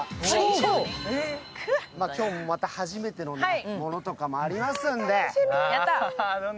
今日も、初めてのものとかもありますので。